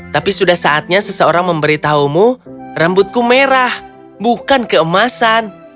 tapi sudah saatnya seseorang memberitahumu rambutku merah bukan keemasan